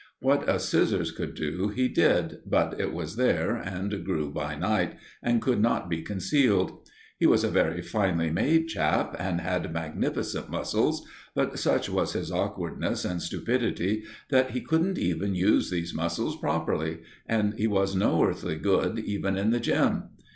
What a scissors could do he did; but it was there, and grew by night, and could not be concealed. He was a very finely made chap, and had magnificent muscles; but such was his awkwardness and stupidity that he couldn't even use these muscles properly, and he was no earthly good even in the gym.